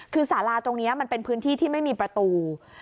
คือสาราตรงนี้มันเป็นพื้นที่ที่ไม่มีประตู